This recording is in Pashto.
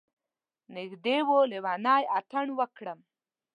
نږدې و لیونی اتڼ وکړم.